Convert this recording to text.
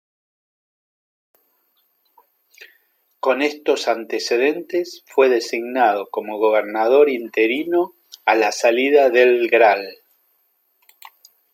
Con estos antecedentes fue designado como Gobernador interino a la salida del Gral.